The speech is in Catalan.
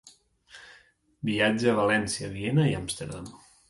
Viatja a València, Viena i Amsterdam.